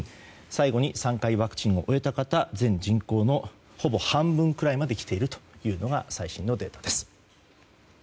最後に３回ワクチンを終えた方全人口の、ほぼ半分くらいまできているというのが最新のデータです。